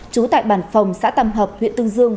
trú tại bàn phòng xã tâm hợp huyện tương dương